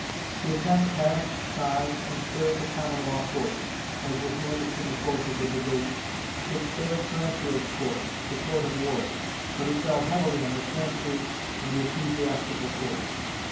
The attack passed by and spared the Common Law Courts, as was noticed in the course of the debates; it spared Cranfield's Court, the Court of Wards. But it fell heavily on the Chancery and the Ecclesiastical Courts.